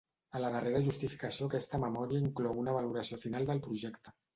A la darrera justificació aquesta memòria inclou una valoració final del projecte.